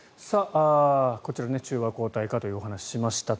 こちら、中和抗体価というお話をしました。